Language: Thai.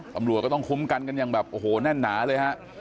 ตำรวจก็ต้องคุ้มกันกันอย่างแบบนะนะเลย